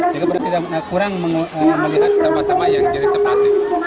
jika tidak kurang melihat sampah sampah yang jadi sepatik